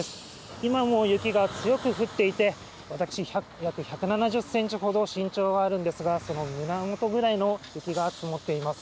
今も雪が強く降っていて、私、約１７０センチほど身長があるんですが、その胸もとぐらいの雪が積もっています。